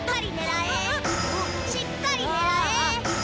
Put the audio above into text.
しっかり狙えーっ！